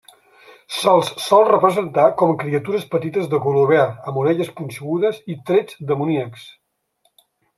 Se'ls sol representar com criatures petites de color verd amb orelles punxegudes i trets demoníacs.